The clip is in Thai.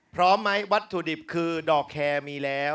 พร้อมไหมวัตถุดิบคือดอกแคร์มีแล้ว